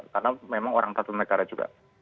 karena memang orang tata negara juga